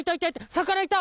魚いた！